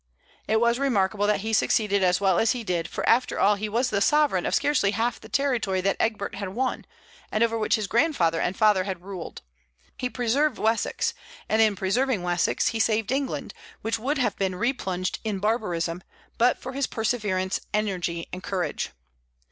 It was remarkable that he succeeded as well as he did, for after all he was the sovereign of scarcely half the territory that Egbert had won, and over which his grandfather and father had ruled. He preserved Wessex; and in preserving Wessex he saved England, which would have been replunged in barbarism but for his perseverance, energy, and courage.